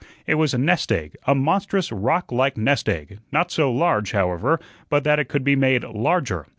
It was a nest egg, a monstrous, roc like nest egg, not so large, however, but that it could be made larger.